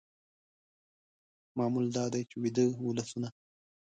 معمول دا دی چې ویده ولسونه